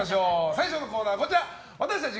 最初のコーナー私たち